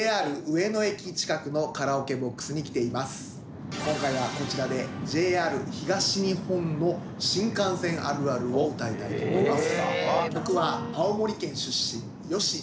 僕は今今回はこちらでＪＲ東日本の新幹線あるあるを歌いたいと思います。